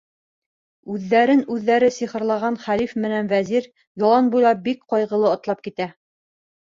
Үҙҙәрен үҙҙәре сихырлаған хәлиф менән вәзир ялан буйлап бик ҡайғылы атлап китә.